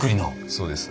そうです。